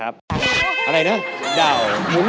บุนดาว